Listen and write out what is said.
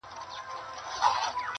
پر دوکان بېهوښه ناست لکه لرګی وو-